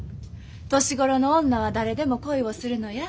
年頃の女は誰でも恋をするのや。